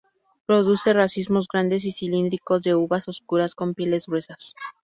Produce racimos grandes y cilíndricos de uvas oscuras con pieles gruesas.